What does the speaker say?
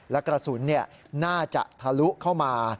และกระสุนน่าจะทะลุเข้ามา